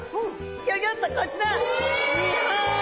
ギョギョッとこちら！